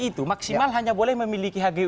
itu maksimal hanya boleh memiliki hgu